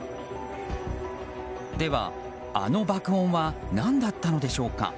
では、あの爆音は何だったのでしょうか。